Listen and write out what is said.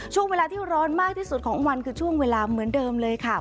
ช่วงเวลาที่ร้อนมากที่สุดของวันคือช่วงเวลาเหมือนเดิมเลยค่ะ